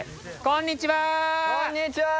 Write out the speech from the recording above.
こんにちは！